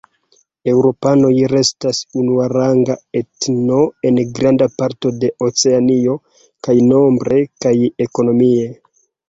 Eŭropanoj restas unuaranga etno en granda parto de Oceanio, kaj nombre kaj ekonomie.